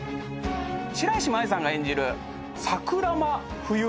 白石麻衣さんが演じる桜間冬美。